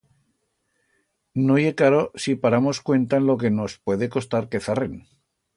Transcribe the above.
No ye caro si paramos cuenta en lo que nos puede costar que zarren.